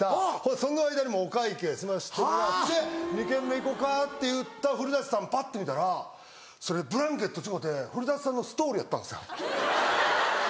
その間にもうお会計済ましてもらって２軒目行こかって言った古さんパッて見たらそれブランケット違うて古さんのストールやったんです。